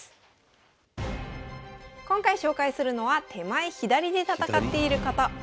今回紹介するのは手前左で戦っている方。